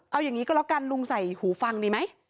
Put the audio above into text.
เอาอย่างนี้ก็แล้วกันลุงใส่หูฟังดีไหม